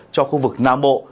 cho khu vực nam bộ